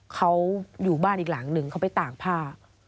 เขาอยู่บ้านอีกหลังนึงเขาไปตากผ้า